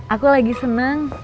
aku lagi seneng